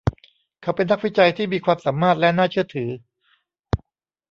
เขาเป็นนักวิจัยที่มีความสามารถและน่าเชื่อถือ